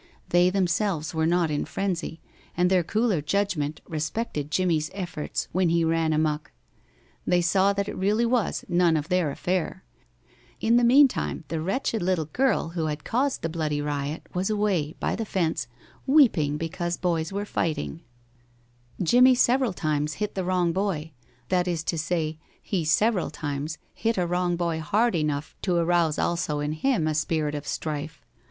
They themselves were not in frenzy, and their cooler judgment respected Jimmie's efforts when he ran amuck. They saw that it really was none of their affair. In the mean time the wretched little girl who had caused the bloody riot was away, by the fence, weeping because boys were fighting. [Illustration: "THEY GALLOPED ABOUT HIM, SHRILLY CHANTING INSULTS."] Jimmie several times hit the wrong boy that is to say, he several times hit a wrong boy hard enough to arouse also in him a spirit of strife.